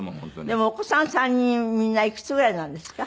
でもお子さん３人みんないくつぐらいなんですか？